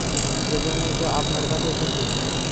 এজন্যই তো আপনার কাছে এসেছি।